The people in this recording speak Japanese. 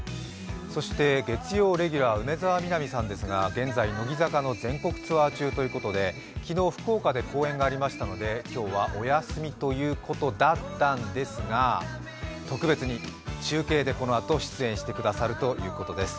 そして月曜レギュラー、梅澤美波さんですが現在、乃木坂の全国ツアー中ということで、昨日福岡で公演がありましたので今日はお休みということだったんですが特別に中継でこのあと出演してくださるということです。